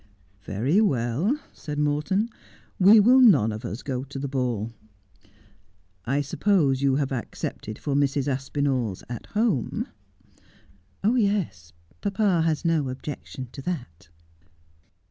' Very well,' said Morton ' We will none of us go to the ball. I suppose you have accepted for Mrs. Aspinall's At Home 1 '' Yes, papa has no objection to that.'